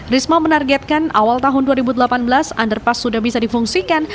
risma menargetkan awal tahun dua ribu delapan belas underpass sudah bisa difungsikan